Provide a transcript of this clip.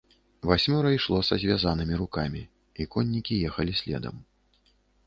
Васьмёра ішло са звязанымі рукамі, і коннікі ехалі следам.